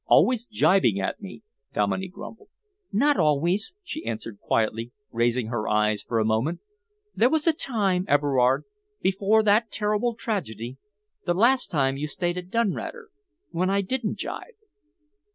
"Always gibing at me," Dominey grumbled. "Not always," she answered quietly, raising her eyes for a moment. "There was a time, Everard, before that terrible tragedy the last time you stayed at Dunratter when I didn't gibe."